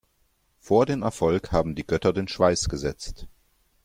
Vor den Erfolg haben die Götter den Schweiß gesetzt.